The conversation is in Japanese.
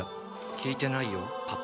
聞いてないよパパ？